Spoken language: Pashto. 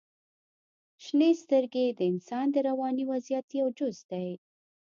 • شنې سترګې د انسان د رواني وضعیت یو جز دی.